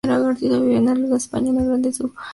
Vivió en Andalucía, España, gran parte de su juventud.